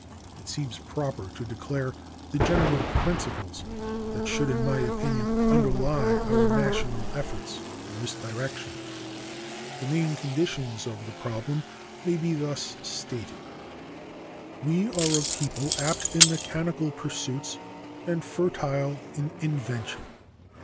It seems proper to declare the general principles that should, in my opinion, underlie our national efforts in this direction. The main conditions of the problem may be thus stated: We are a people apt in mechanical pursuits and fertile in invention.